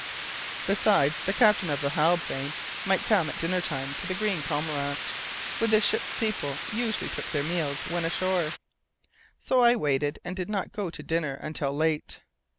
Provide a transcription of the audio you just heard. Besides, the captain of the Halbrane might come at dinner time to the Green Cormorant, where the ship's people usually took their meals when ashore. So I waited, and did not go to dinner until late.